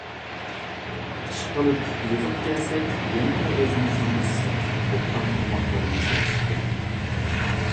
ئىشقىلىپ، يىغىپ كەلسەك، يەنىلا ئۆزىمىزنىڭ ئىسسىق، ئوبدان تاماقلىرىمىز ياخشىكەن.